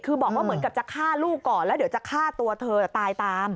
คือบอกว่าเหมือนกับจะฆ่าลูกก่อนแล้วเดี๋ยวจะฆ่าตัวเธอตายตาม